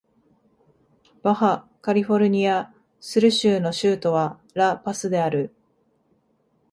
バハ・カリフォルニア・スル州の州都はラ・パスである